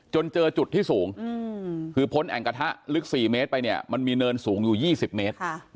เจอจุดที่สูงคือพ้นแอ่งกระทะลึก๔เมตรไปเนี่ยมันมีเนินสูงอยู่๒๐เมตร